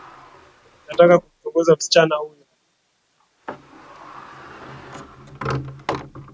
Nataka kumtongoza msichana huyo